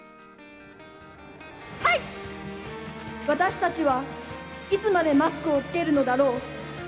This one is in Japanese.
私たちは、いつまでマスクを着けるのだろう。